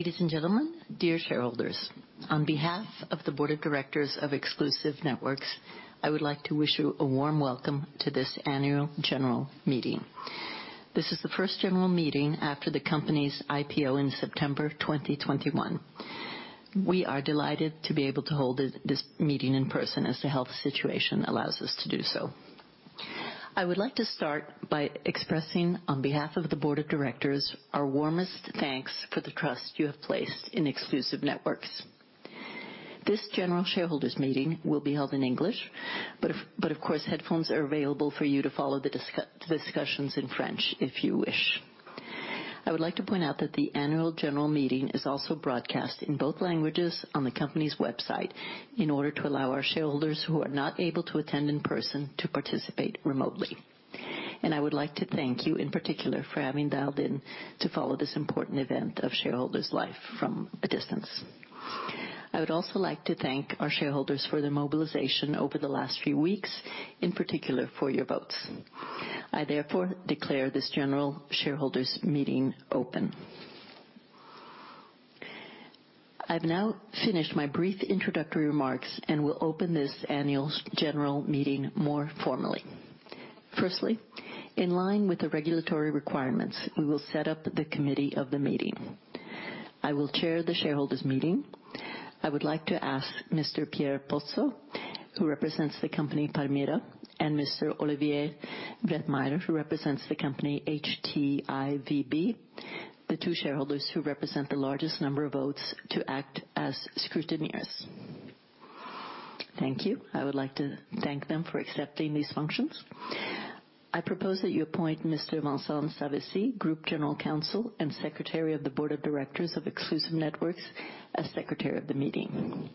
Ladies and gentlemen, dear shareholders. On behalf of the Board of Directors of Exclusive Networks, I would like to wish you a warm welcome to this annual general meeting. This is the first general meeting after the company's IPO in September 2021. We are delighted to be able to hold this meeting in person, as the health situation allows us to do so. I would like to start by expressing, on behalf of the board of directors, our warmest thanks for the trust you have placed in Exclusive Networks. This general shareholders meeting will be held in English, but of course, headphones are available for you to follow the discussions in French if you wish. I would like to point out that the annual general meeting is also broadcast in both languages on the company's website in order to allow our shareholders who are not able to attend in person to participate remotely. I would like to thank you in particular for having dialed in to follow this important event of shareholders life from a distance. I would also like to thank our shareholders for their mobilization over the last few weeks, in particular for your votes. I therefore declare this general shareholders meeting open. I've now finished my brief introductory remarks and will open this annual general meeting more formally. Firstly, in line with the regulatory requirements, we will set up the committee of the meeting. I will chair the shareholders meeting. I would like to ask Mr. Pierre Boccon-Liaudet, who represents the company Permira, and Mr. Olivier Breittmayer, who represents the company HTIVB, the two shareholders who represent the largest number of votes, to act as scrutineers. Thank you. I would like to thank them for accepting these functions. I propose that you appoint Mr. Vincent Savesi, Group General Counsel and Secretary of the Board of Directors of Exclusive Networks, as Secretary of the meeting.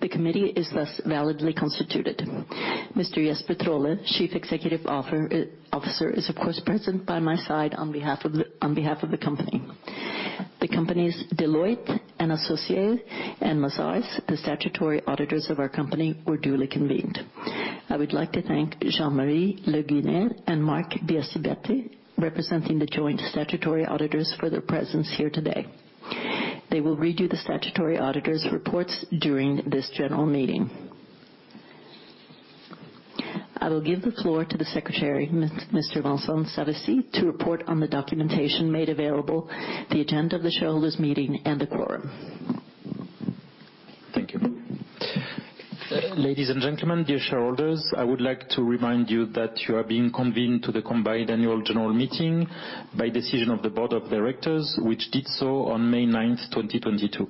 The committee is thus validly constituted. Mr. Jesper Trolle, Chief Executive Officer, is of course present by my side on behalf of the company. The companies Deloitte & Associés and Mazars, the statutory auditors of our company, were duly convened. I would like to thank Jean-Marie Le Guiner and Marc Biasibetti, representing the joint statutory auditors, for their presence here today. They will read you the statutory auditors reports during this general meeting. I will give the floor to the secretary, Mr. Vincent Savesi, to report on the documentation made available, the agenda of the shareholders meeting and the quorum. Thank you. Ladies and gentlemen, dear shareholders, I would like to remind you that you are being convened to the combined annual general meeting by decision of the board of directors, which did so on May 9th, 2022.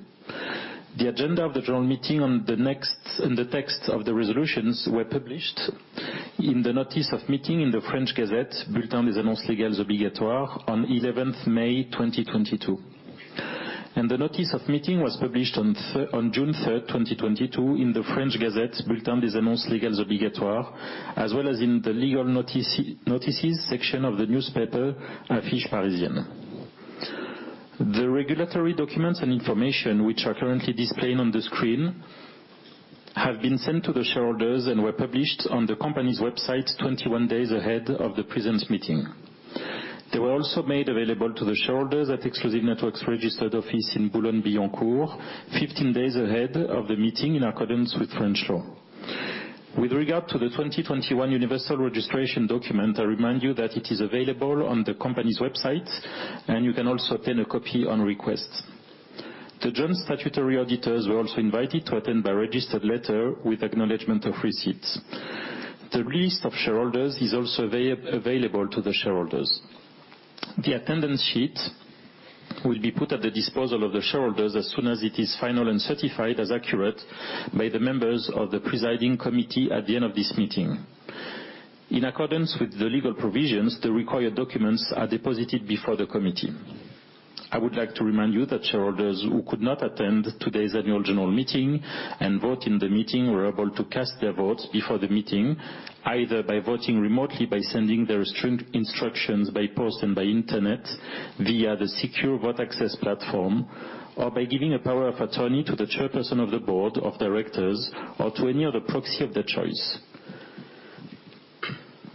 The agenda of the general meeting on the next, and the text of the resolutions were published in the notice of meeting in the French Gazette, Bulletin des Annonces Légales Obligatoires, on May 11th, 2022. The notice of meeting was published on June 3rd, 2022 in the French Gazette, Bulletin des Annonces Légales Obligatoires, as well as in the legal notices section of the newspaper Affiches Parisiennes. The regulatory documents and information which are currently displaying on the screen have been sent to the shareholders and were published on the company's website 21 days ahead of the present meeting. They were also made available to the shareholders at Exclusive Networks' registered office in Boulogne-Billancourt 15 days ahead of the meeting, in accordance with French law. With regard to the 2021 universal registration document, I remind you that it is available on the company's website, and you can also obtain a copy on request. The joint statutory auditors were also invited to attend by registered letter with acknowledgement of receipts. The list of shareholders is also available to the shareholders. The attendance sheet will be put at the disposal of the shareholders as soon as it is final and certified as accurate by the members of the presiding committee at the end of this meeting. In accordance with the legal provisions, the required documents are deposited before the committee. I would like to remind you that shareholders who could not attend today's annual general meeting and vote in the meeting were able to cast their votes before the meeting, either by voting remotely, by sending their instructions by post and by internet via the secure vote access platform, or by giving a power of attorney to the chairperson of the board of directors or to any other proxy of their choice.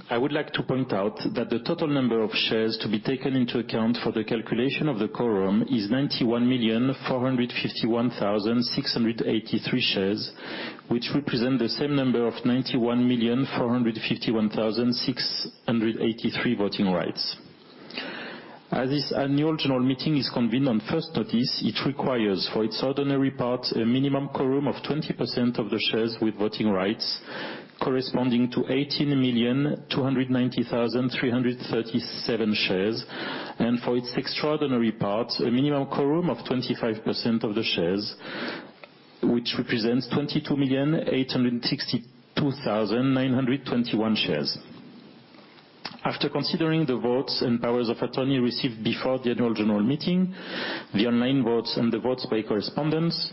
I would like to point out that the total number of shares to be taken into account for the calculation of the quorum is 91,451,683 shares, which represent the same number of 91,451,683 voting rights. As this annual general meeting is convened on first notice, it requires, for its ordinary part, a minimum quorum of 20% of the shares with voting rights corresponding to 18,290,337 shares, and for its extraordinary part, a minimum quorum of 25% of the shares, which represents 22,862,921 shares. After considering the votes and powers of attorney received before the annual general meeting, the online votes and the votes by correspondence,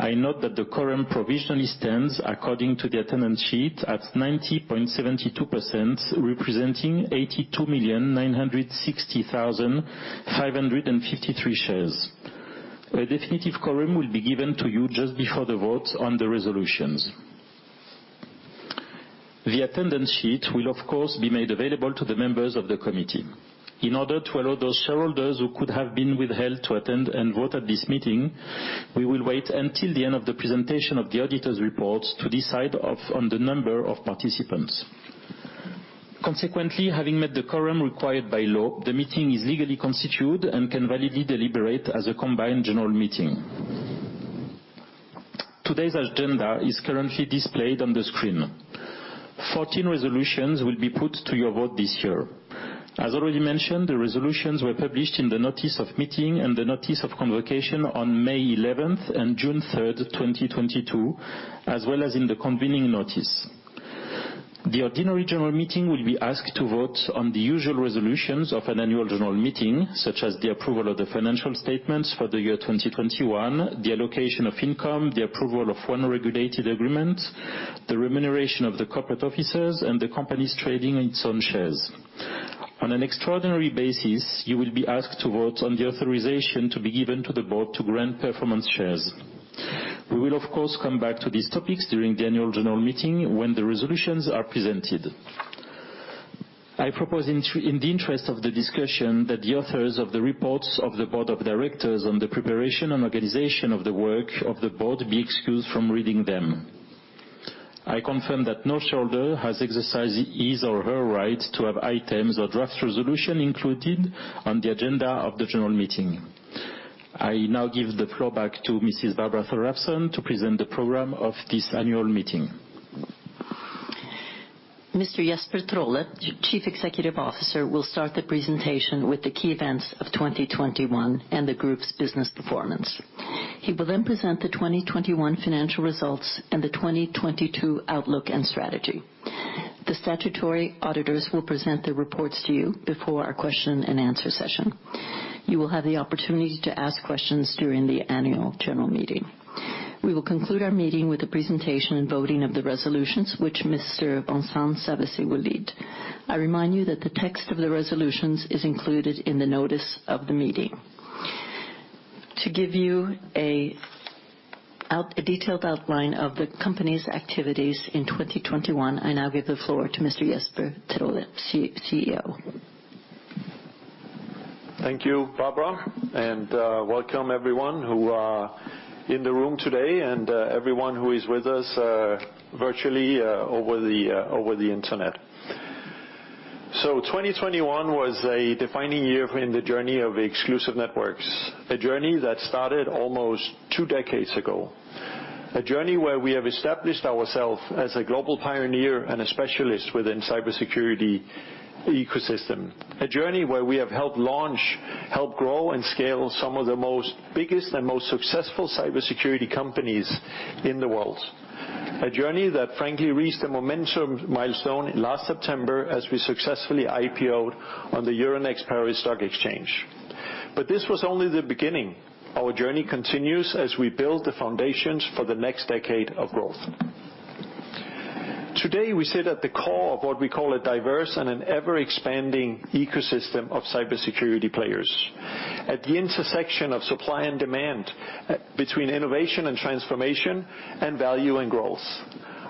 I note that the quorum provisionally stands according to the attendance sheet at 90.72%, representing 82,960,553 shares. A definitive quorum will be given to you just before the votes on the resolutions. The attendance sheet will of course be made available to the members of the committee. In order to allow those shareholders who could have been withheld to attend and vote at this meeting, we will wait until the end of the presentation of the auditor's reports to decide on the number of participants. Consequently, having met the quorum required by law, the meeting is legally constituted and can validly deliberate as a combined general meeting. Today's agenda is currently displayed on the screen. Fourteen resolutions will be put to your vote this year. As already mentioned, the resolutions were published in the notice of meeting and the notice of convocation on May 11th, 2022 and June 3rd, 2022, as well as in the convening notice. The ordinary general meeting will be asked to vote on the usual resolutions of an annual general meeting, such as the approval of the financial statements for the year 2021, the allocation of income, the approval of one regulated agreement, the remuneration of the corporate officers, and the company's trading in its own shares. On an extraordinary basis, you will be asked to vote on the authorization to be given to the board to grant performance shares. We will of course come back to these topics during the annual general meeting when the resolutions are presented. I propose in the interest of the discussion that the authors of the reports of the board of directors on the preparation and organization of the work of the board be excused from reading them. I confirm that no shareholder has exercised his or her right to have items or draft resolution included on the agenda of the general meeting. I now give the floor back to Ms. Barbara Thoralfsson to present the program of this annual meeting. Mr. Jesper Trolle, Chief Executive Officer, will start the presentation with the key events of 2021 and the group's business performance. He will then present the 2021 financial results and the 2022 outlook and strategy. The statutory auditors will present their reports to you before our question and answer session. You will have the opportunity to ask questions during the annual general meeting. We will conclude our meeting with the presentation and voting of the resolutions which Mr. Vincent Savesi will lead. I remind you that the text of the resolutions is included in the notice of the meeting. To give you a detailed outline of the company's activities in 2021, I now give the floor to Mr. Jesper Trolle, CEO. Thank you, Barbara, and welcome everyone who are in the room today and everyone who is with us virtually over the Internet. 2021 was a defining year in the journey of Exclusive Networks, a journey that started almost two decades ago. A journey where we have established ourself as a global pioneer and a specialist within cybersecurity ecosystem. A journey where we have helped launch, help grow and scale some of the most biggest and most successful cybersecurity companies in the world. A journey that frankly reached a momentum milestone last September as we successfully IPO'd on the Euronext Paris stock exchange. This was only the beginning. Our journey continues as we build the foundations for the next decade of growth. Today, we sit at the core of what we call a diverse and an ever-expanding ecosystem of cybersecurity players. At the intersection of supply and demand, between innovation and transformation, and value and growth.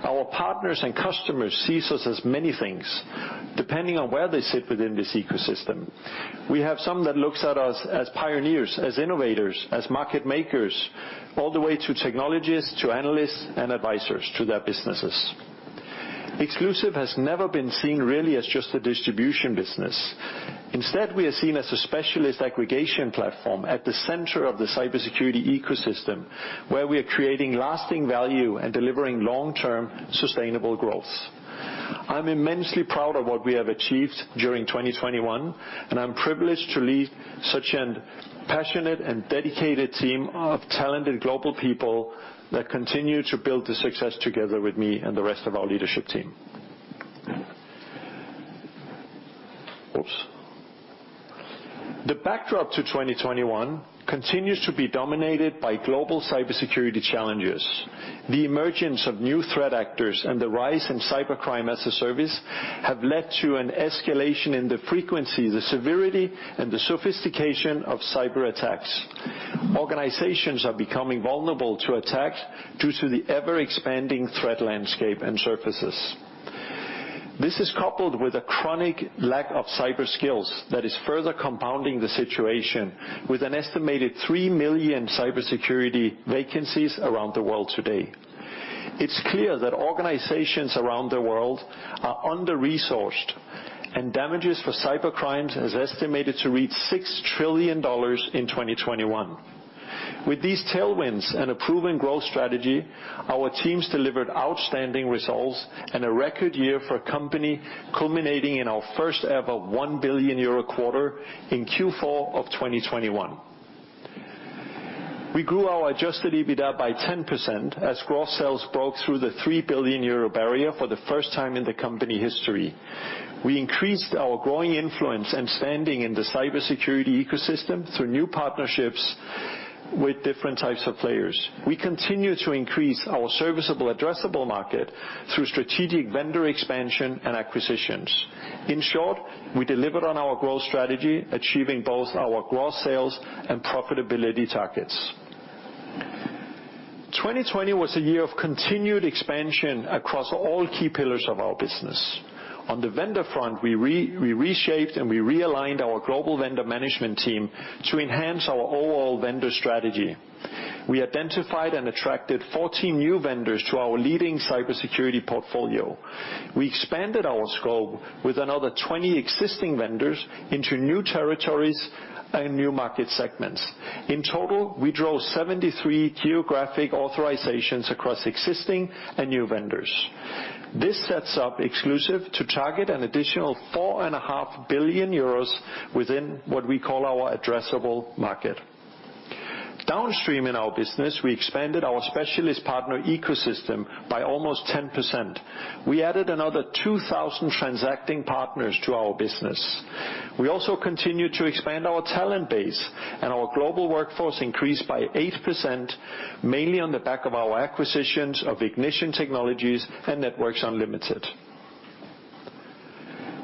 Our partners and customers see us as many things, depending on where they sit within this ecosystem. We have some that look at us as pioneers, as innovators, as market makers, all the way to technologists, to analysts, and advisors to their businesses. Exclusive has never been seen really as just a distribution business. Instead, we are seen as a specialist aggregation platform at the center of the cybersecurity ecosystem, where we are creating lasting value and delivering long-term sustainable growth. I'm immensely proud of what we have achieved during 2021, and I'm privileged to lead such a passionate and dedicated team of talented global people that continue to build the success together with me and the rest of our leadership team. The backdrop to 2021 continues to be dominated by global cybersecurity challenges. The emergence of new threat actors and the rise in cybercrime-as-a-service have led to an escalation in the frequency, the severity, and the sophistication of cyberattacks. Organizations are becoming vulnerable to attack due to the ever-expanding threat landscape and surfaces. This is coupled with a chronic lack of cyber skills that is further compounding the situation with an estimated three million cybersecurity vacancies around the world today. It's clear that organizations around the world are under-resourced, and damages for cybercrime is estimated to reach $6 trillion in 2021. With these tailwinds and a proven growth strategy, our teams delivered outstanding results and a record year for a company culminating in our first ever 1 billion euro quarter in Q4 of 2021. We grew our adjusted EBITDA by 10% as gross sales broke through the 3 billion euro barrier for the first time in the company history. We increased our growing influence and standing in the cybersecurity ecosystem through new partnerships with different types of players. We continue to increase our serviceable addressable market through strategic vendor expansion and acquisitions. In short, we delivered on our growth strategy, achieving both our gross sales and profitability targets. 2020 was a year of continued expansion across all key pillars of our business. On the vendor front, we reshaped and we realigned our global vendor management team to enhance our overall vendor strategy. We identified and attracted 14 new vendors to our leading cybersecurity portfolio. We expanded our scope with another 20 existing vendors into new territories and new market segments. In total, we drove 73 geographic authorizations across existing and new vendors. This sets up Exclusive to target an additional 4.5 billion euros within what we call our addressable market. Downstream in our business, we expanded our specialist partner ecosystem by almost 10%. We added another 2,000 transacting partners to our business. We also continued to expand our talent base, and our global workforce increased by 8%, mainly on the back of our acquisitions of Ignition Technology and Networks Unlimited.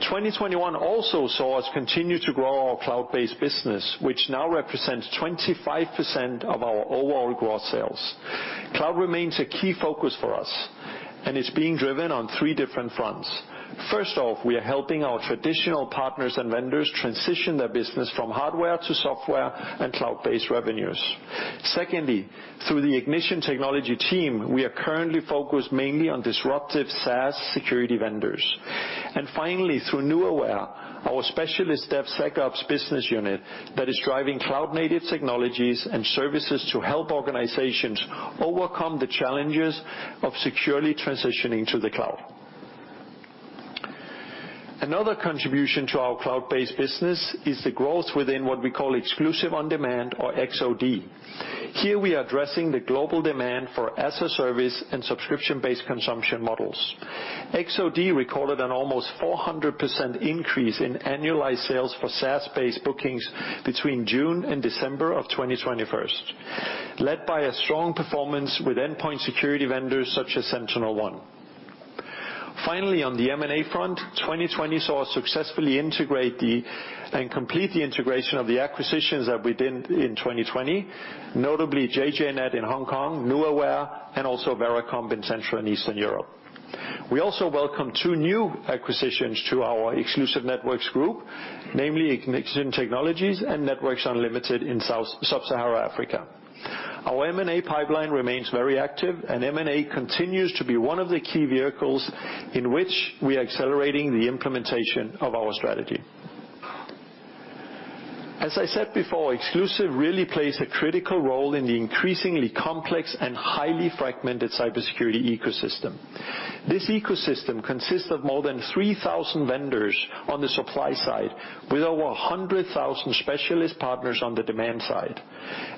2021 also saw us continue to grow our cloud-based business, which now represents 25% of our overall gross sales. Cloud remains a key focus for us and is being driven on three different fronts. First off, we are helping our traditional partners and vendors transition their business from hardware to software and cloud-based revenues. Secondly, through the Ignition Technology team, we are currently focused mainly on disruptive SaaS security vendors. Finally, through Nuaware, our specialist DevSecOps business unit that is driving cloud-native technologies and services to help organizations overcome the challenges of securely transitioning to the cloud. Another contribution to our cloud-based business is the growth within what we call Exclusive On-Demand, or X-OD. Here we are addressing the global demand for as-a-service and subscription-based consumption models. X-OD recorded an almost 400% increase in annualized sales for SaaS-based bookings between June and December of 2021, led by a strong performance with endpoint security vendors such as SentinelOne. Finally, on the M&A front, 2020 saw us successfully integrate, complete the integration of the acquisitions that we did in 2020, notably JJNet in Hong Kong, Nuaware, and also Veracomp in Central and Eastern Europe. We also welcome two new acquisitions to our Exclusive Networks group, namely Ignition Technology and Networks Unlimited in Sub-Saharan Africa. Our M&A pipeline remains very active, and M&A continues to be one of the key vehicles in which we are accelerating the implementation of our strategy. As I said before, Exclusive really plays a critical role in the increasingly complex and highly fragmented cybersecurity ecosystem. This ecosystem consists of more than 3,000 vendors on the supply side, with over 100,000 specialist partners on the demand side.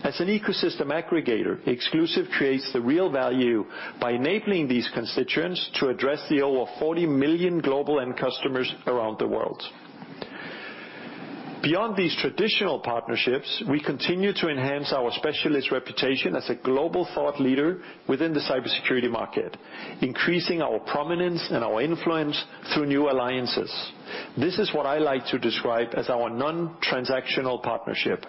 As an ecosystem aggregator, Exclusive creates the real value by enabling these constituents to address the over 40 million global end customers around the world. Beyond these traditional partnerships, we continue to enhance our specialist reputation as a global thought leader within the cybersecurity market, increasing our prominence and our influence through new alliances. This is what I like to describe as our non-transactional partnership.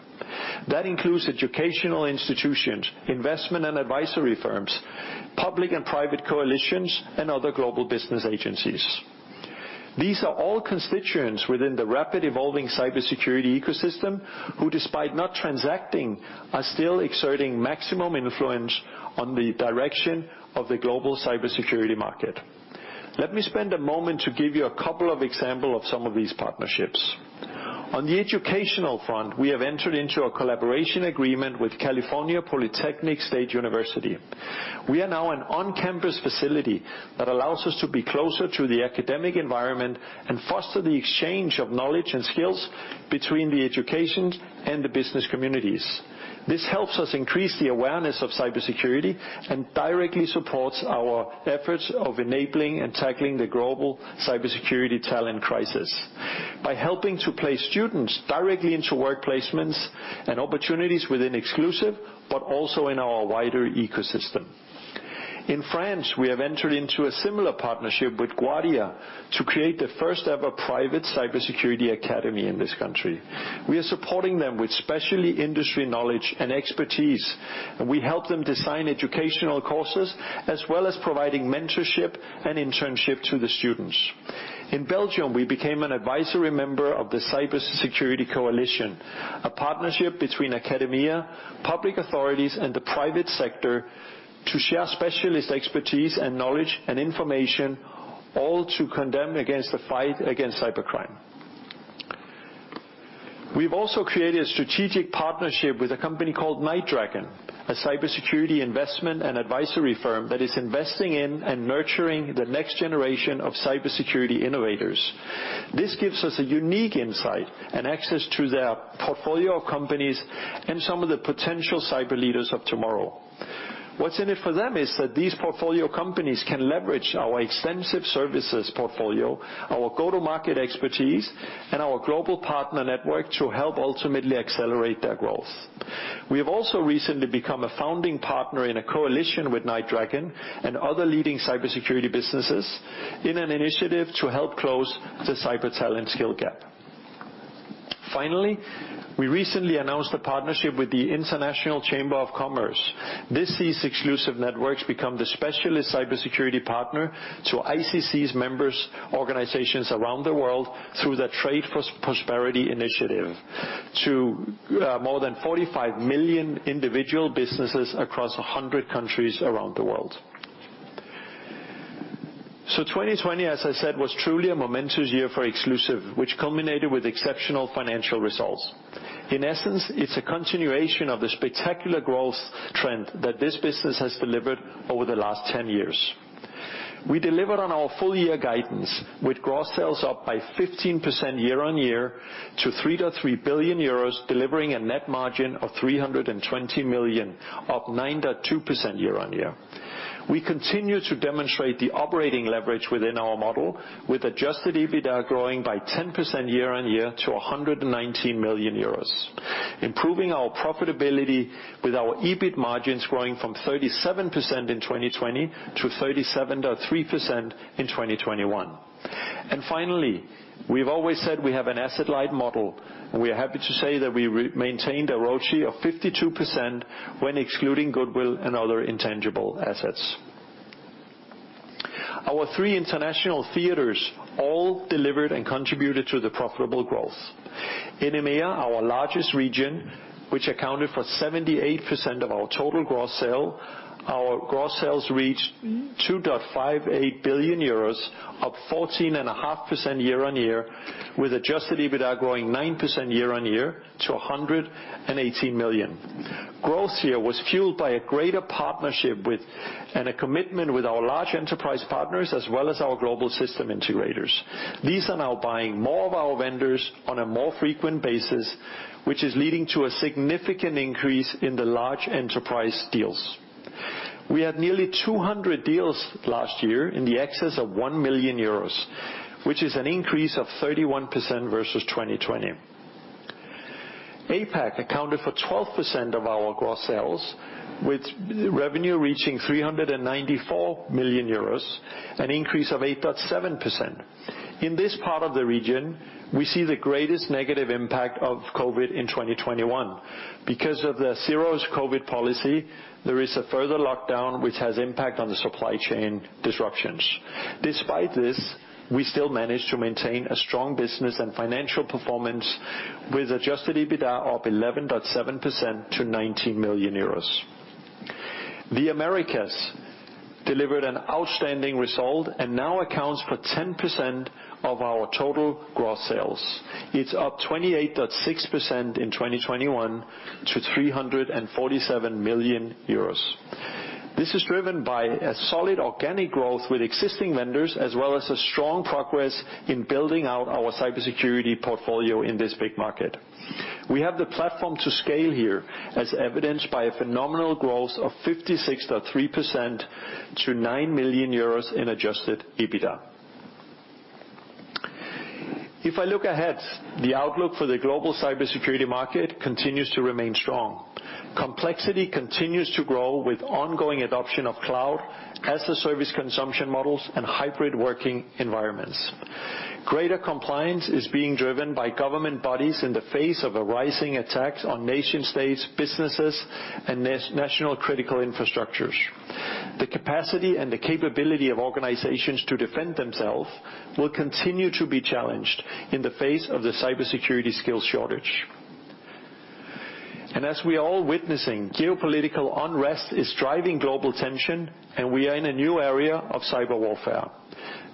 That includes educational institutions, investment and advisory firms, public and private coalitions, and other global business agencies. These are all constituents within the rapid evolving cybersecurity ecosystem, who despite not transacting, are still exerting maximum influence on the direction of the global cybersecurity market. Let me spend a moment to give you a couple of example of some of these partnerships. On the educational front, we have entered into a collaboration agreement with California Polytechnic State University. We are now an on-campus facility that allows us to be closer to the academic environment and foster the exchange of knowledge and skills between the education and the business communities. This helps us increase the awareness of cybersecurity and directly supports our efforts of enabling and tackling the global cybersecurity talent crisis by helping to place students directly into work placements and opportunities within Exclusive, but also in our wider ecosystem. In France, we have entered into a similar partnership with Guardia Cybersecurity School to create the first-ever private cybersecurity academy in this country. We are supporting them with specialty industry knowledge and expertise, and we help them design educational courses, as well as providing mentorship and internship to the students. In Belgium, we became an advisory member of the Cyber Security Coalition, a partnership between academia, public authorities, and the private sector to share specialist expertise and knowledge and information, all to condemn, in the fight against cybercrime. We've also created a strategic partnership with a company called NightDragon, a cybersecurity investment and advisory firm that is investing in and nurturing the next generation of cybersecurity innovators. This gives us a unique insight and access to their portfolio of companies and some of the potential cyber leaders of tomorrow. What's in it for them is that these portfolio companies can leverage our extensive services portfolio, our go-to-market expertise, and our global partner network to help ultimately accelerate their growth. We have also recently become a founding partner in a coalition with NightDragon and other leading cybersecurity businesses in an initiative to help close the cyber talent skill gap. Finally, we recently announced a partnership with the International Chamber of Commerce. This sees Exclusive Networks become the specialist cybersecurity partner to ICC's members, organizations around the world through the Trade for Prosperity initiative to more than 45 million individual businesses across 100 countries around the world. 2020, as I said, was truly a momentous year for Exclusive, which culminated with exceptional financial results. In essence, it's a continuation of the spectacular growth trend that this business has delivered over the last 10 years. We delivered on our full year guidance with gross sales up by 15% year-on-year to 3.3 billion euros, delivering a net margin of 320 million, up 9.2% year-on-year. We continue to demonstrate the operating leverage within our model, with adjusted EBITDA growing by 10% year-on-year to 119 million euros. Improving our profitability with our EBIT margins growing from 37% in 2020 to 37.3% in 2021. Finally, we've always said we have an asset light model, and we are happy to say that we maintained a ROCE of 52% when excluding goodwill and other intangible assets. Our three international theaters all delivered and contributed to the profitable growth. In EMEA, our largest region, which accounted for 78% of our total gross sales, our gross sales reached 2.58 billion euros, up 14.5% year-on-year, with adjusted EBITDA growing 9% year-on-year to 118 million. Growth here was fueled by a greater partnership with, and a commitment with our large enterprise partners as well as our global system integrators. These are now buying more of our vendors on a more frequent basis, which is leading to a significant increase in the large enterprise deals. We had nearly 200 deals last year in excess of 1 million euros, which is an increase of 31% versus 2020. APAC accounted for 12% of our gross sales, with revenue reaching 394 million euros, an increase of 8.7%. In this part of the region, we see the greatest negative impact of COVID in 2021. Because of the zero COVID policy, there is a further lockdown which has impact on the supply chain disruptions. Despite this, we still managed to maintain a strong business and financial performance with adjusted EBITDA up 11.7% to 19 million euros. The Americas delivered an outstanding result and now accounts for 10% of our total gross sales. It's up 28.6% in 2021 to 347 million euros. This is driven by a solid organic growth with existing vendors as well as a strong progress in building out our cybersecurity portfolio in this big market. We have the platform to scale here, as evidenced by a phenomenal growth of 56.3% to 9 million euros in adjusted EBITDA. If I look ahead, the outlook for the global cybersecurity market continues to remain strong. Complexity continues to grow with ongoing adoption of cloud-as-a-service consumption models and hybrid working environments. Greater compliance is being driven by government bodies in the face of a rising attacks on nation-states, businesses, and national critical infrastructures. The capacity and the capability of organizations to defend themselves will continue to be challenged in the face of the cybersecurity skills shortage. As we are all witnessing, geopolitical unrest is driving global tension, and we are in a new era of cyber warfare.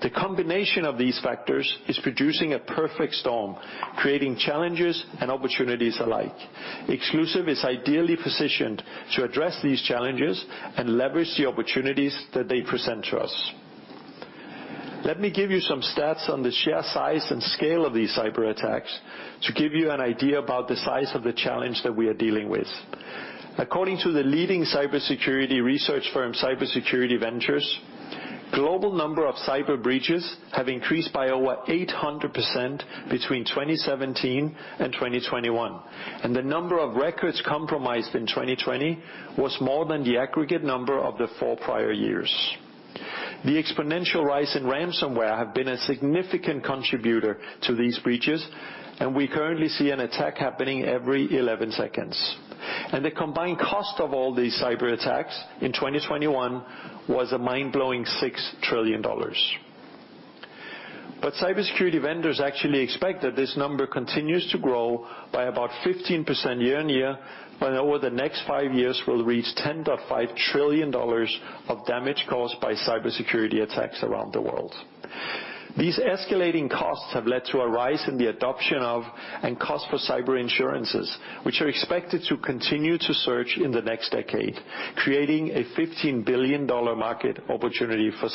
The combination of these factors is producing a perfect storm, creating challenges and opportunities alike. Exclusive is ideally positioned to address these challenges and leverage the opportunities that they present to us. Let me give you some stats on the sheer size and scale of these cyberattacks to give you an idea about the size of the challenge that we are dealing with. According to the leading cybersecurity research firm, Cybersecurity Ventures, global number of cyber breaches have increased by over 800% between 2017 and 2021, and the number of records compromised in 2020 was more than the aggregate number of the four prior years. The exponential rise in ransomware have been a significant contributor to these breaches, and we currently see an attack happening every 11 seconds. The combined cost of all these cyberattacks in 2021 was a mind-blowing $6 trillion. Cybersecurity vendors actually expect that this number continues to grow by about 15% year-over-year, by over the next five years, will reach $10.5 trillion of damage caused by cybersecurity attacks around the world. These escalating costs have led to a rise in the adoption of, and cost for cyber insurances, which are expected to continue to surge in the next decade, creating a $15 billion market opportunity for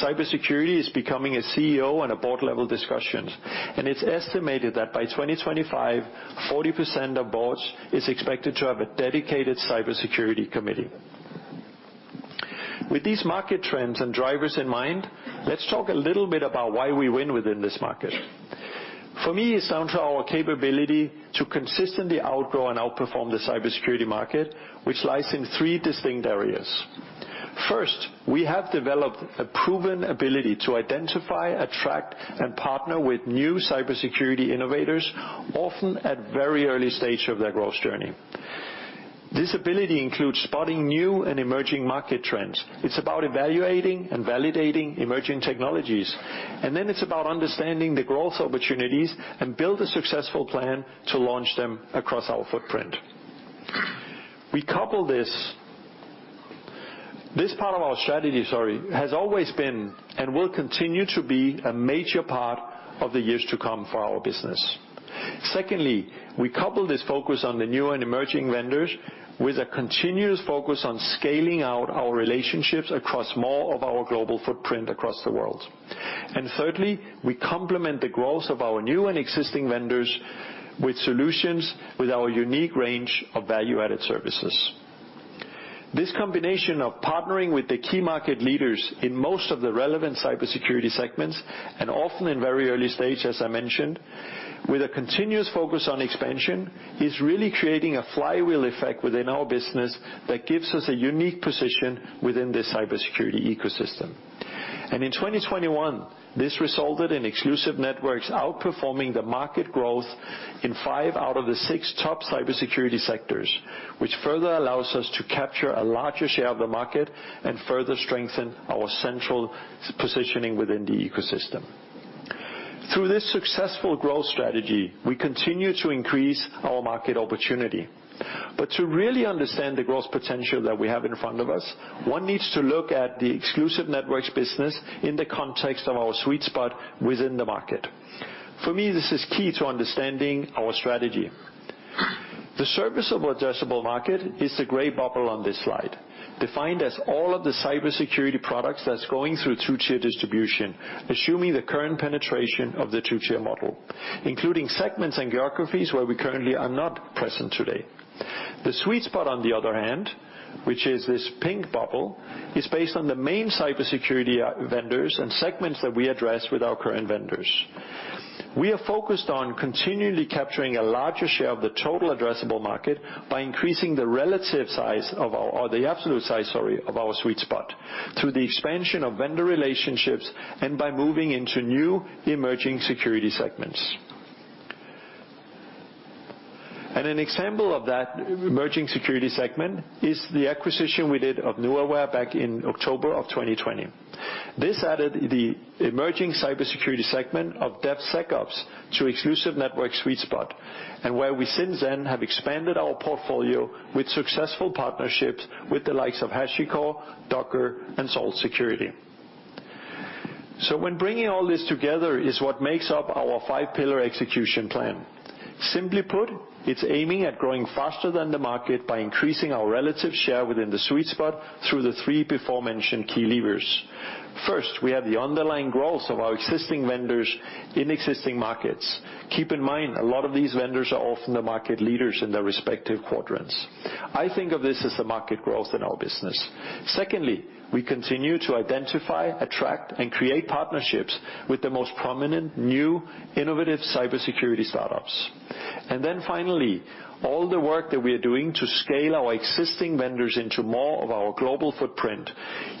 cyber insurance. Clearly, cybersecurity is becoming a CEO and a board-level discussions, and it's estimated that by 2025, 40% of boards is expected to have a dedicated cybersecurity committee. With these market trends and drivers in mind, let's talk a little bit about why we win within this market. For me, it's down to our capability to consistently outgrow and outperform the cybersecurity market, which lies in three distinct areas. First, we have developed a proven ability to identify, attract, and partner with new cybersecurity innovators, often at very early stage of their growth journey. This ability includes spotting new and emerging market trends. It's about evaluating and validating emerging technologies, and then it's about understanding the growth opportunities and build a successful plan to launch them across our footprint. This part of our strategy, sorry, has always been and will continue to be a major part, of the years to come, for our business. Secondly, we couple this focus on the new and emerging vendors with a continuous focus on scaling out our relationships across more of our global footprint across the world. Thirdly, we complement the growth of our new and existing vendors with solutions with our unique range of value-added services. This combination of partnering with the key market leaders in most of the relevant cybersecurity segments, and often in very early stage, as I mentioned, with a continuous focus on expansion, is really creating a flywheel effect within our business that gives us a unique position within the cybersecurity ecosystem. In 2021, this resulted in Exclusive Networks' outperforming the market growth in five out of the six top cybersecurity sectors, which further allows us to capture a larger share of the market and further strengthen our central positioning within the ecosystem. Through this successful growth strategy, we continue to increase our market opportunity. To really understand the growth potential that we have in front of us, one needs to look at the Exclusive Networks business in the context of our sweet spot within the market. For me, this is key to understanding our strategy. The serviceable addressable market is the gray bubble on this slide, defined as all of the cybersecurity products that's going through two-tier distribution, assuming the current penetration of the two-tier model, including segments and geographies where we currently are not present today. The sweet spot, on the other hand, which is this pink bubble, is based on the main cybersecurity vendors and segments that we address with our current vendors. We are focused on continually capturing a larger share of the total addressable market by increasing the relative size of our sweet spot through the expansion of vendor relationships and by moving into new emerging security segments. An example of that emerging security segment is the acquisition we did of Nuaware back in October of 2020. This added the emerging cybersecurity segment of DevSecOps to Exclusive Networks' sweet spot, and where we since then have expanded our portfolio with successful partnerships with the likes of HashiCorp, Docker, and Salt Security. When bringing all this together is what makes up our five-pillar execution plan. Simply put, it's aiming at growing faster than the market by increasing our relative share within the sweet spot through the three beforementioned key levers. First, we have the underlying growth of our existing vendors in existing markets. Keep in mind, a lot of these vendors are often the market leaders in their respective quadrants. I think of this as the market growth in our business. Secondly, we continue to identify, attract, and create partnerships with the most prominent, new, innovative cybersecurity startups. Then finally, all the work that we are doing to scale our existing vendors into more of our global footprint.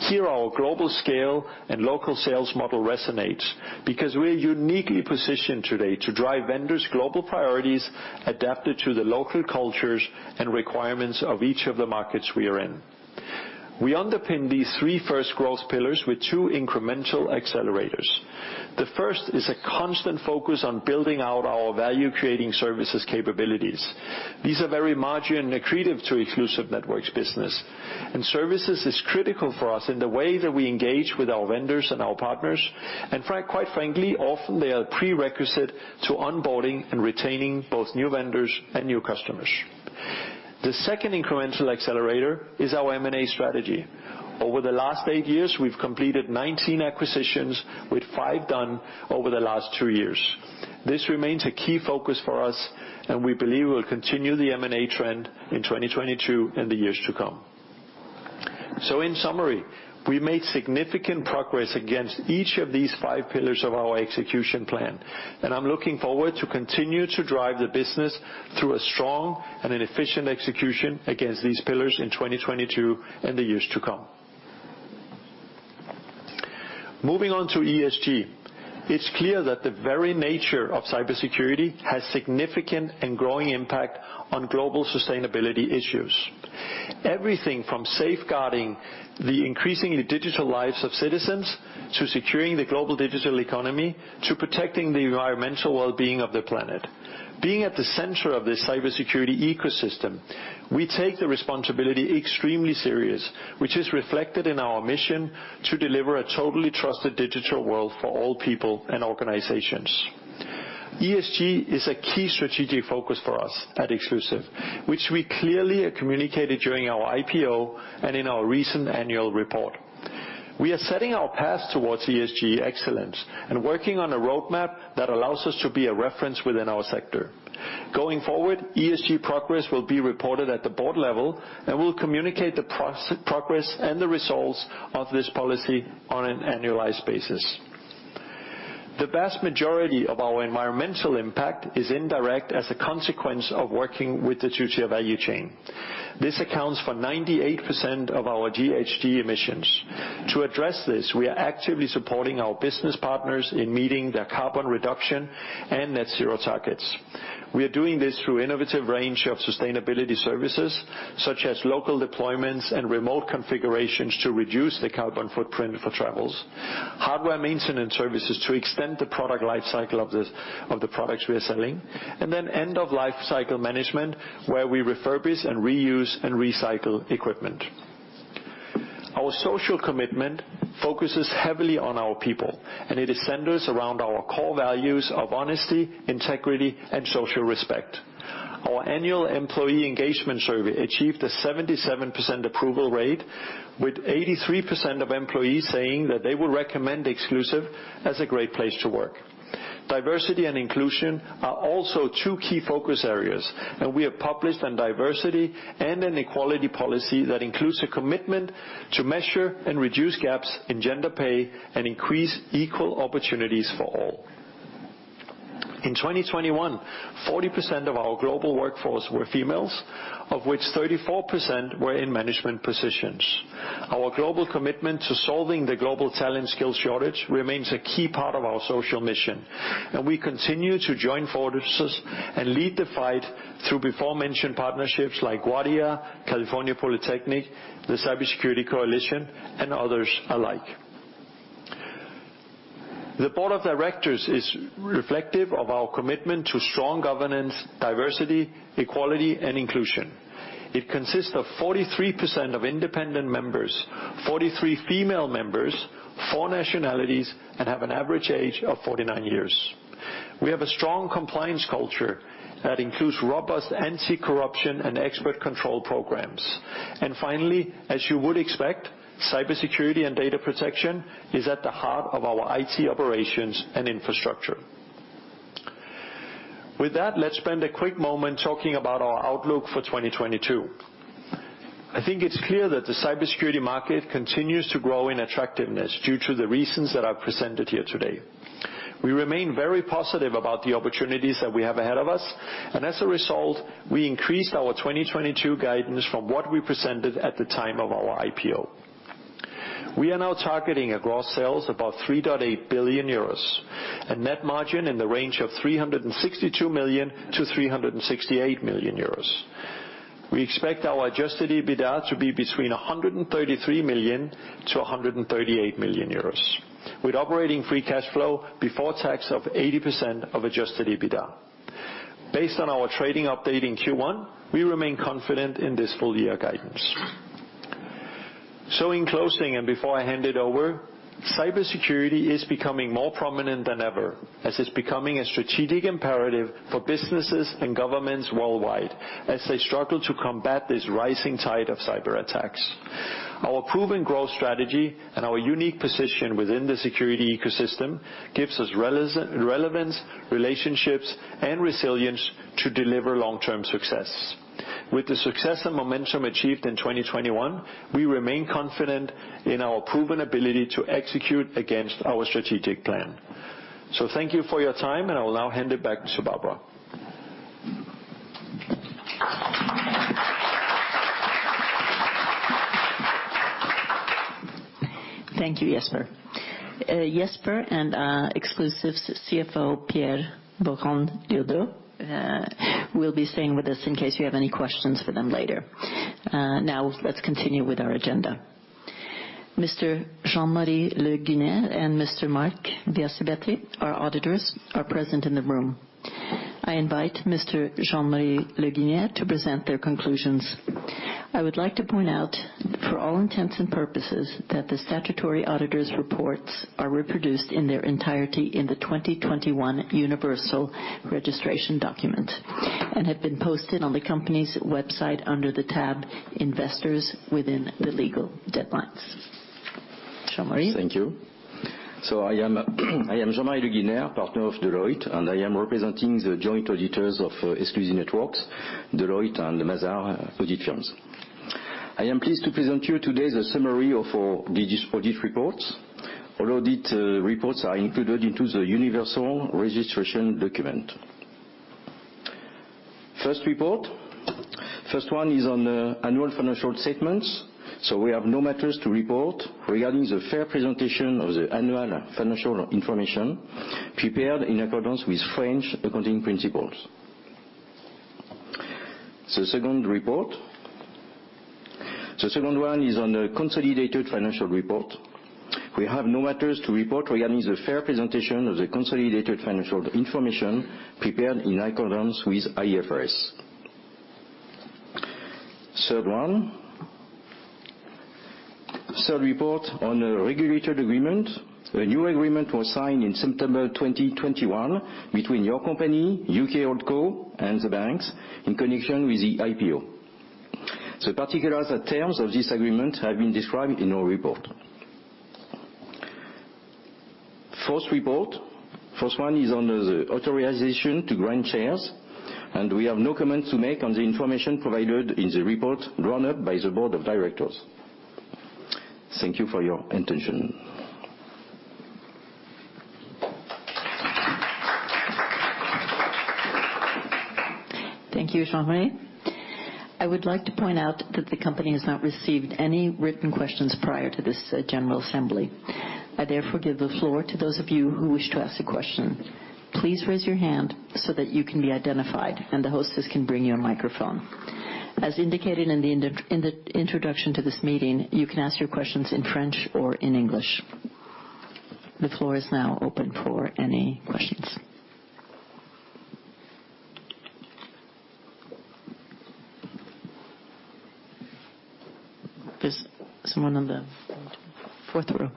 Here, our global scale and local sales model resonates because we're uniquely positioned today to drive vendors' global priorities adapted to the local cultures and requirements of each of the markets we are in. We underpin these three first growth pillars with two incremental accelerators. The first is a constant focus on building out our value-creating services capabilities. These are very margin accretive to Exclusive Networks business. Services is critical for us in the way that we engage with our vendors and our partners. Quite frankly, often they are prerequisite to onboarding and retaining both new vendors and new customers. The second incremental accelerator is our M&A strategy. Over the last eight years, we've completed 19 acquisitions, with five done over the last two years. This remains a key focus for us, and we believe we'll continue the M&A trend in 2022 and the years to come. In summary, we made significant progress against each of these five pillars of our execution plan, and I'm looking forward to continue to drive the business through a strong and an efficient execution against these pillars in 2022 and the years to come. Moving on to ESG. It's clear that the very nature of cybersecurity has significant and growing impact on global sustainability issues. Everything from safeguarding the increasingly digital lives of citizens, to securing the global digital economy, to protecting the environmental well-being of the planet. Being at the center of this cybersecurity ecosystem, we take the responsibility extremely serious, which is reflected in our mission to deliver a totally trusted digital world for all people and organizations. ESG is a key strategic focus for us at Exclusive, which we clearly communicated during our IPO and in our recent annual report. We are setting our path towards ESG excellence and working on a roadmap that allows us to be a reference within our sector. Going forward, ESG progress will be reported at the board level, and we'll communicate the progress and the results of this policy on an annualized basis. The vast majority of our environmental impact is indirect as a consequence of working with the two-tier value chain. This accounts for 98% of our GHG emissions. To address this, we are actively supporting our business partners in meeting their carbon reduction and net zero targets. We are doing this through innovative range of sustainability services, such as local deployments and remote configurations to reduce the carbon footprint for travels, hardware maintenance services to extend the product life cycle of the products we are selling, and then end of life cycle management, where we refurbish and reuse and recycle equipment. Our social commitment focuses heavily on our people, and it centers around our core values of honesty, integrity, and social respect. Our annual employee engagement survey achieved a 77% approval rate with 83% of employees saying that they would recommend Exclusive as a great place to work. Diversity and inclusion are also two key focus areas, and we have published a diversity and equality policy that includes a commitment to measure and reduce gaps in gender pay and increase equal opportunities for all. In 2021, 40% of our global workforce were females, of which 34% were in management positions. Our global commitment to solving the global talent skills shortage remains a key part of our social mission, and we continue to join forces and lead the fight through aforementioned partnerships like Guardia Cybersecurity School, California Polytechnic, the Cyber Security Coalition, and others alike. The board of directors is reflective of our commitment to strong governance, diversity, equality, and inclusion. It consists of 43% independent members, 43% female members, four nationalities, and has an average age of 49 years. We have a strong compliance culture that includes robust anti-corruption and export control programs. Finally, as you would expect, cybersecurity and data protection is at the heart of our IT operations and infrastructure. With that, let's spend a quick moment talking about our outlook for 2022. I think it's clear that the cybersecurity market continues to grow in attractiveness due to the reasons that I've presented here today. We remain very positive about the opportunities that we have ahead of us, and as a result, we increased our 2022 guidance from what we presented at the time of our IPO. We are now targeting gross sales of about 3.8 billion euros and net margin in the range of 362 million-368 million euros. We expect our adjusted EBITDA to be between 133 million-138 million euros, with operating free cash flow before tax of 80% of adjusted EBITDA. Based on our trading update in Q1, we remain confident in this full year guidance. In closing, and before I hand it over, cybersecurity is becoming more prominent than ever as it's becoming a strategic imperative for businesses and governments worldwide as they struggle to combat this rising tide of cyberattacks. Our proven growth strategy and our unique position within the security ecosystem gives us relevance, relationships, and resilience to deliver long-term success. With the success and momentum achieved in 2021, we remain confident in our proven ability to execute against our strategic plan. Thank you for your time, and I will now hand it back to Barbara. Thank you, Jesper. Jesper and Exclusive's CFO, Pierre Boccon-Liaudet, will be staying with us in case you have any questions for them later. Now let's continue with our agenda. Mr. Jean-Marie Le Guiner and Mr. Marc Biasibetti, our auditors, are present in the room. I invite Mr. Jean-Marie Le Guiner to present their conclusions. I would like to point out, for all intents and purposes, that the statutory auditors' reports are reproduced in their entirety in the 2021 universal registration document and have been posted on the company's website under the tab Investors within the legal deadlines. Jean-Marie? Thank you. I am Jean-Marie Le Guiner, partner of Deloitte, and I am representing the joint auditors of Exclusive Networks, Deloitte and Mazars audit firms. I am pleased to present you today the summary of our digital audit reports. All audit reports are included into the universal registration document. First report. First one is on the annual financial statements, so we have no matters to report regarding the fair presentation of the annual financial information prepared in accordance with French accounting principles. The second report. The second one is on the consolidated financial report. We have no matters to report regarding the fair presentation of the consolidated financial information prepared in accordance with IFRS. Third one. Third report on regulated agreement. A new agreement was signed in September 2021 between your company, UK HoldCo, and the banks in connection with the IPO. The particular terms of this agreement have been described in our report. Fourth report. Fourth one is on the authorization to grant shares, and we have no comments to make on the information provided in the report drawn up by the board of directors. Thank you for your attention. Thank you, Jean-Marie. I would like to point out that the company has not received any written questions prior to this general assembly. I therefore give the floor to those of you who wish to ask a question. Please raise your hand so that you can be identified and the hostess can bring you a microphone. As indicated in the introduction to this meeting, you can ask your questions in French or in English. The floor is now open for any questions. There's someone on the fourth row.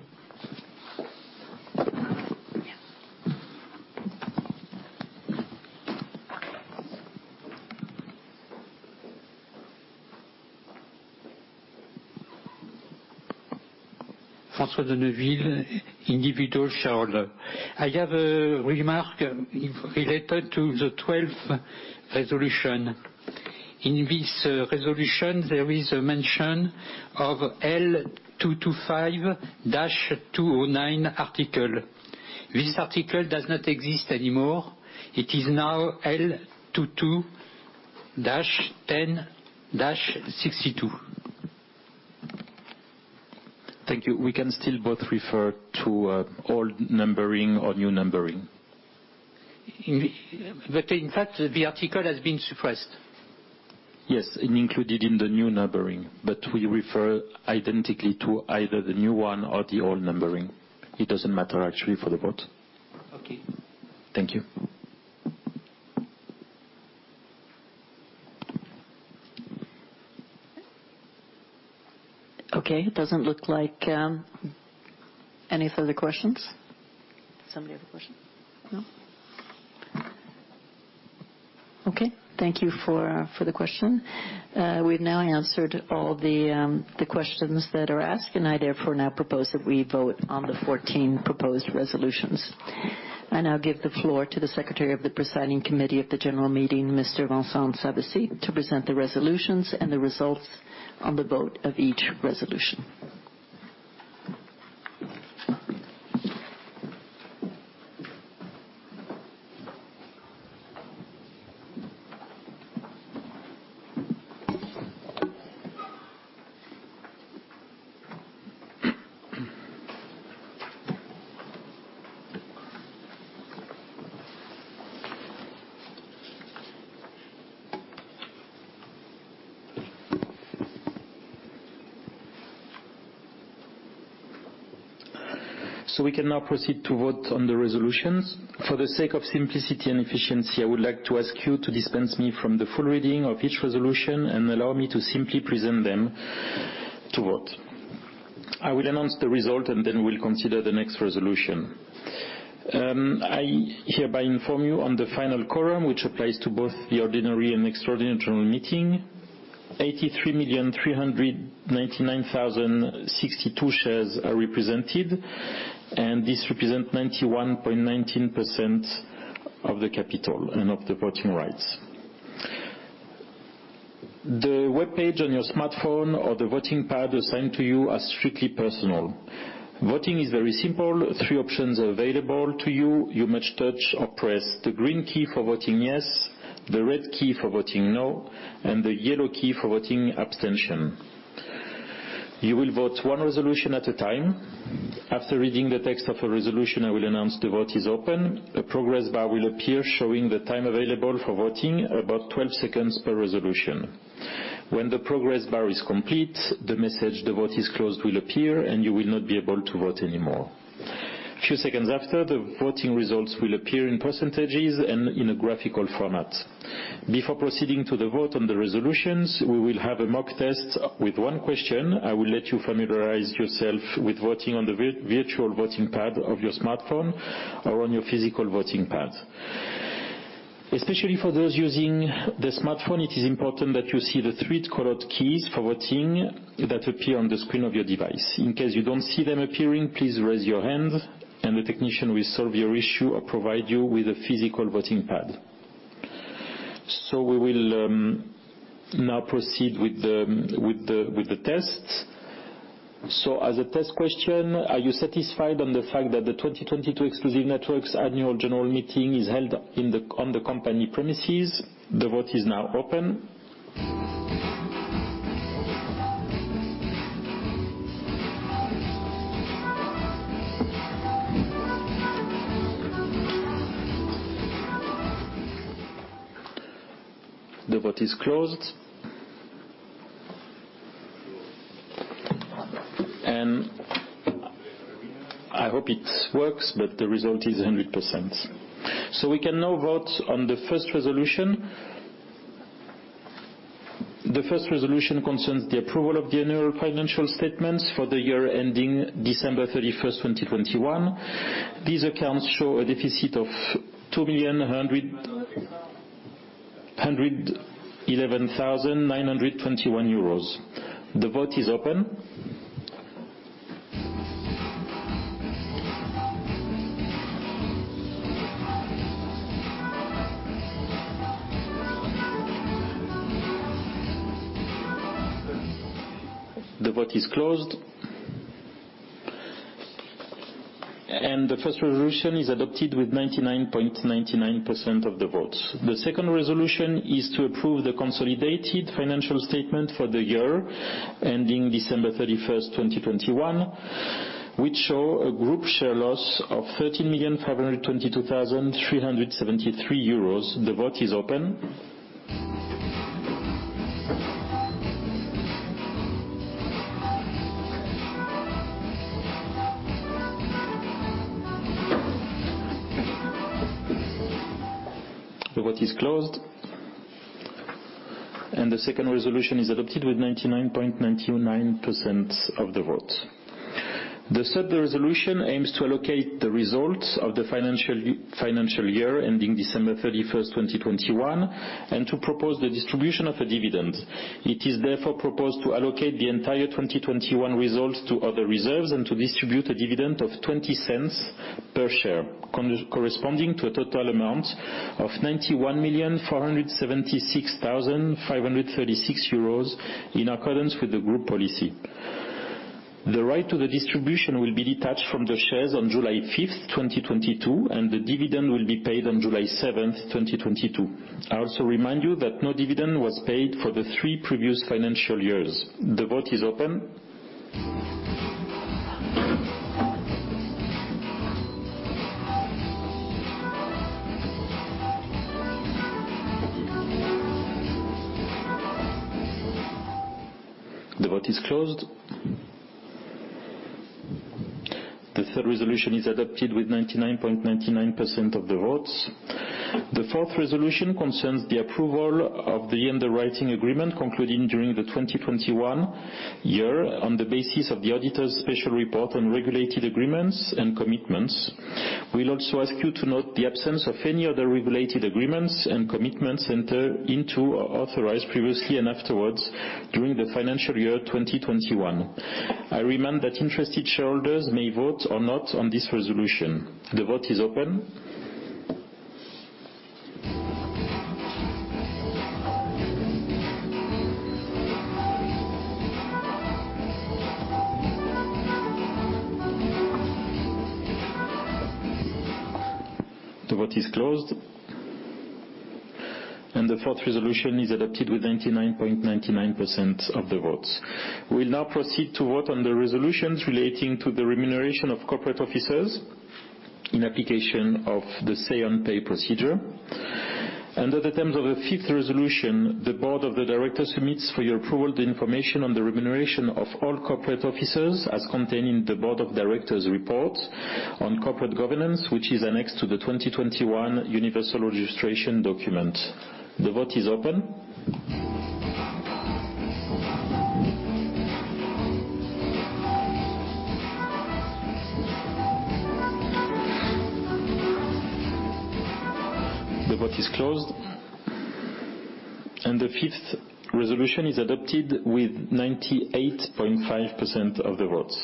François Deneville, individual shareholder. I have a remark related to the twelfth resolution. In this resolution, there is a mention of L225-209 article. This article does not exist anymore. It is now L22-10-62. Thank you. We can still both refer to old numbering or new numbering. In fact, the article has been suppressed. Yes. Included in the new numbering. We refer identically to either the new one or the old numbering. It doesn't matter actually for the vote. Okay. Thank you. Okay. It doesn't look like, any further questions? Somebody have a question? No? Okay. Thank you for the question. We've now answered all the questions that are asked, and I therefore now propose that we vote on the 14 proposed resolutions. I now give the floor to the Secretary of the Presiding Committee of the general meeting, Mr. Vincent Savesi, to present the resolutions and the results on the vote of each resolution. We can now proceed to vote on the resolutions. For the sake of simplicity and efficiency, I would like to ask you to dispense me from the full reading of each resolution and allow me to simply present them to vote. I will announce the result and then we'll consider the next resolution. I hereby inform you on the final quorum, which applies to both the ordinary and extraordinary general meeting. 83,399,062 shares are represented, and this represent 91.19% of the capital and of the voting rights. The webpage on your smartphone or the voting pad assigned to you are strictly personal. Voting is very simple. Three options are available to you. You must touch or press the green key for voting yes, the red key for voting no, and the yellow key for voting abstention. You will vote one resolution at a time. After reading the text of a resolution, I will announce the vote is open. A progress bar will appear showing the time available for voting, about 12 seconds per resolution. When the progress bar is complete, the message, "The vote is closed," will appear, and you will not be able to vote anymore. A few seconds after, the voting results will appear in percentages and in a graphical format. Before proceeding to the vote on the resolutions, we will have a mock test with one question. I will let you familiarize yourself with voting on the virtual voting pad of your smartphone or on your physical voting pad. Especially for those using the smartphone, it is important that you see the three colored keys for voting that appear on the screen of your device. In case you don't see them appearing, please raise your hand and the technician will solve your issue or provide you with a physical voting pad. We will now proceed with the test. As a test question, are you satisfied on the fact that the 2022 Exclusive Networks annual general meeting is held on the company premises? The vote is now open. The vote is closed. I hope it works, but the result is 100%. We can now vote on the first resolution. The first resolution concerns the approval of the annual financial statements for the year ending December 31st, 2021. These accounts show a deficit of 2,011,921 euros. The vote is open. The vote is closed. The first resolution is adopted with 99.99% of the votes. The second resolution is to approve the consolidated financial statement for the year ending December 31st, 2021, which show a group share loss of 13,522,373 euros. The vote is open. The vote is closed. The second resolution is adopted with 99.99% of the votes. The third resolution aims to allocate the results of the financial year ending December 31st, 2021, and to propose the distribution of a dividend. It is therefore proposed to allocate the entire 2021 results to other reserves and to distribute a dividend of 0.20 per share, corresponding to a total amount of 91,476,536 euros in accordance with the group policy. The right to the distribution will be detached from the shares on July 5th, 2022, and the dividend will be paid on July 7th, 2022. I also remind you that no dividend was paid for the three previous financial years. The vote is open. The vote is closed. The third resolution is adopted with 99.99% of the votes. The fourth resolution concerns the approval of the underwriting agreement concluded during the 2021 year on the basis of the auditor's special report on regulated agreements and commitments. We'll also ask you to note the absence of any other regulated agreements and commitments entered into or authorized previously and afterwards during the financial year 2021. I remind that interested shareholders may vote or not on this resolution. The vote is open. The vote is closed. The fourth resolution is adopted with 99.99% of the votes. We'll now proceed to vote on the resolutions relating to the remuneration of corporate officers in application of the say on pay procedure. Under the terms of the fifth resolution, the Board of Directors submits for your approval the information on the remuneration of all corporate officers as contained in the Board of Directors report on corporate governance, which is annexed to the 2021 universal registration document. The vote is open. The vote is closed. The fifth resolution is adopted with 98.5% of the votes.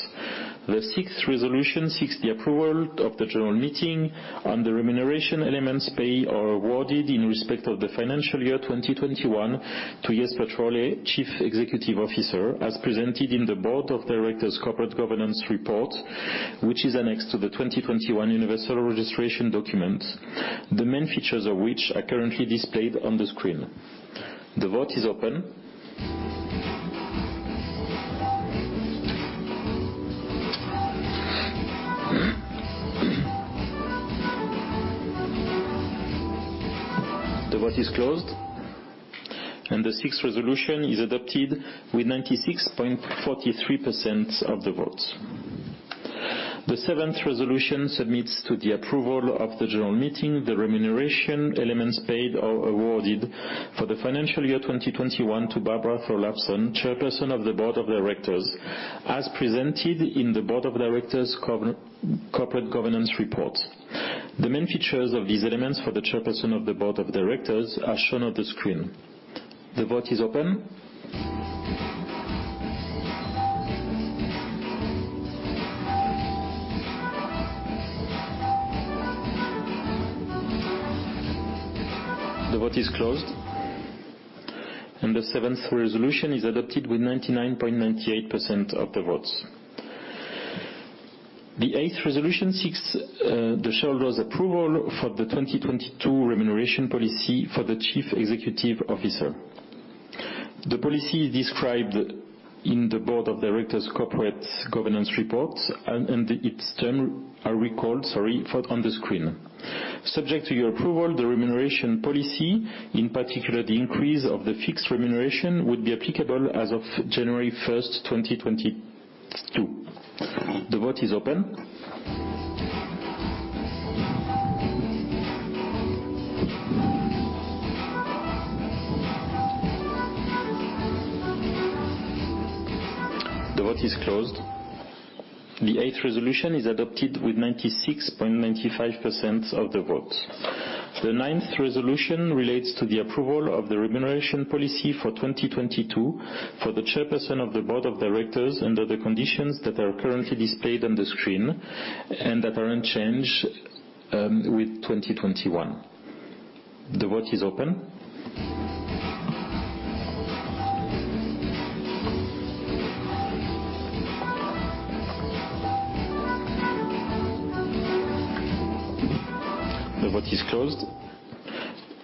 The sixth resolution seeks the approval of the general meeting on the remuneration elements paid or awarded in respect of the financial year 2021 to Jesper Trolle, Chief Executive Officer, as presented in the Board of Directors corporate governance report, which is annexed to the 2021 universal registration document, the main features of which are currently displayed on the screen. The vote is open. The vote is closed. The sixth resolution is adopted with 96.43% of the votes. The seventh resolution submits to the approval of the general meeting the remuneration elements paid or awarded for the financial year 2021 to Barbara Thoralfsson, Chairperson of the Board of Directors, as presented in the Board of Directors corporate governance report. The main features of these elements for the Chairperson of the Board of Directors are shown on the screen. The vote is open. The vote is closed. The seventh resolution is adopted with 99.98% of the votes. The eighth resolution seeks the shareholders' approval for the 2022 remuneration policy for the chief executive officer. The policy described in the board of directors corporate governance report and its term are recalled on the screen. Subject to your approval, the remuneration policy, in particular, the increase of the fixed remuneration, would be applicable as of January 1st, 2022. The vote is open. The vote is closed. The eighth resolution is adopted with 96.95% of the votes. The ninth resolution relates to the approval of the remuneration policy for 2022 for the chairperson of the board of directors under the conditions that are currently displayed on the screen and that are unchanged with 2021. The vote is open. The vote is closed,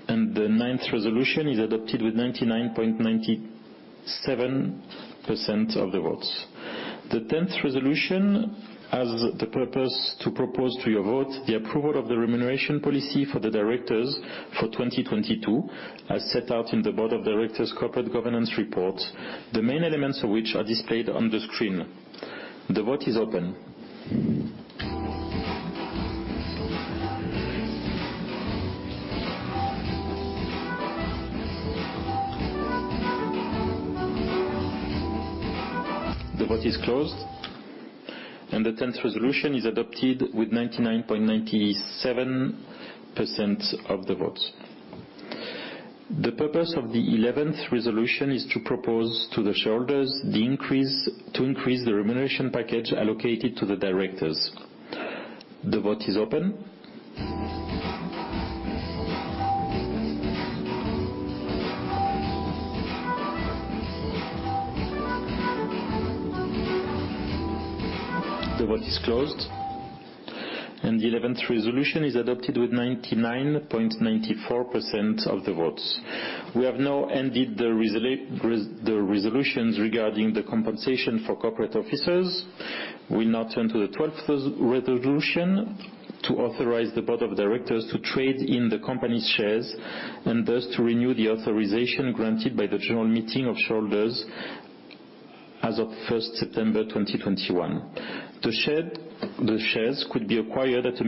and the ninth resolution is adopted with 99.97% of the votes. The tenth resolution has the purpose to propose to your vote the approval of the remuneration policy for the directors for 2022, as set out in the board of directors corporate governance report, the main elements of which are displayed on the screen. The vote is open. The vote is closed, and the tenth resolution is adopted with 99.97% of the votes. The purpose of the eleventh resolution is to propose to the shareholders to increase the remuneration package allocated to the directors. The vote is open. The vote is closed, and the eleventh resolution is adopted with 99.94% of the votes. We have now ended the resolutions regarding the compensation for corporate officers. We now turn to the 12th resolution to authorize the board of directors to trade in the company's shares, and thus to renew the authorization granted by the general meeting of shareholders as of September 1st, 2021. The shares could be acquired at a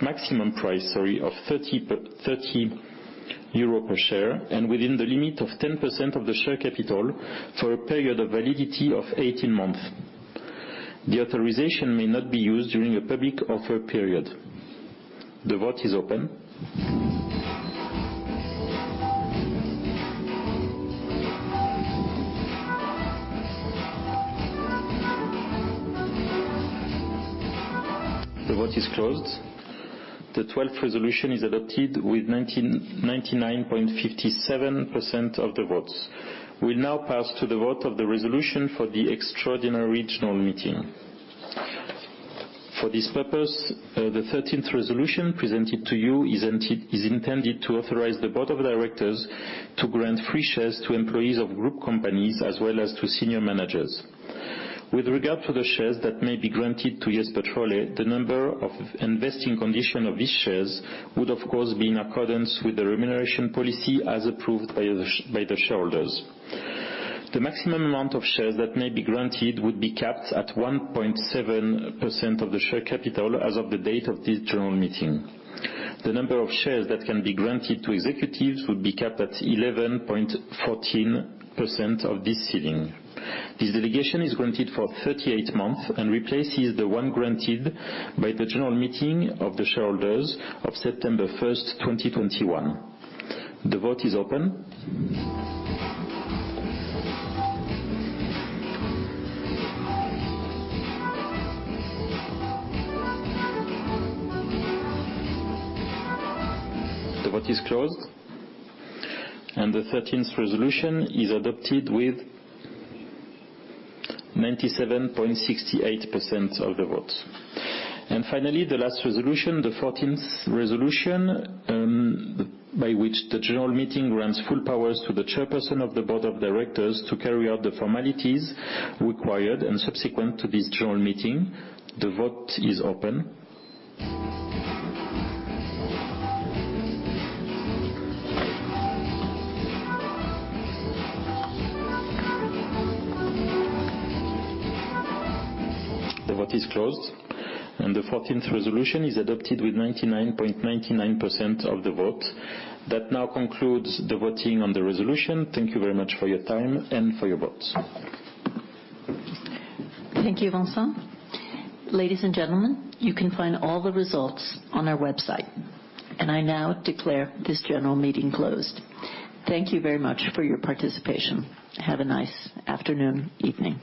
maximum price, sorry, of 30 euro per share and within the limit of 10% of the share capital for a period of validity of 18 months. The authorization may not be used during a public offer period. The vote is open. The vote is closed. The 12th resolution is adopted with 99.57% of the votes. We now pass to the vote of the resolution for the extraordinary general meeting. For this purpose, the 13th resolution presented to you is intended to authorize the Board of Directors to grant free shares to employees of group companies as well as to senior managers. With regard to the shares that may be granted to Jesper Trolle, the number of vesting conditions of these shares would of course be in accordance with the remuneration policy as approved by the shareholders. The maximum amount of shares that may be granted would be capped at 1.7% of the share capital as of the date of this general meeting. The number of shares that can be granted to executives would be capped at 11.14% of this ceiling. This delegation is granted for 38 months and replaces the one granted by the General Meeting of the Shareholders of September 1, 2021. The vote is open. The vote is closed, and the thirteenth resolution is adopted with 97.68% of the votes. Finally, the last resolution, the fourteenth resolution, by which the general meeting grants full powers to the chairperson of the board of directors to carry out the formalities required and subsequent to this general meeting. The vote is open. The vote is closed, and the fourteenth resolution is adopted with 99.99% of the vote. That now concludes the voting on the resolution. Thank you very much for your time and for your votes. Thank you, Vincent. Ladies and gentlemen, you can find all the results on our website. I now declare this general meeting closed. Thank you very much for your participation. Have a nice afternoon, evening.